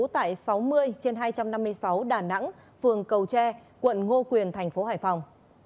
tại sáu mươi trên hai trăm năm mươi sáu đà nẵng phường cầu tre quận ngô quyền thành phố hải phòng